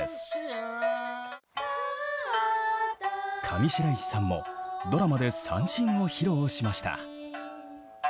上白石さんもドラマで三線を披露しました。